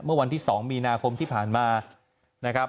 เมื่อวันที่๒มีนาคมที่ผ่านมานะครับ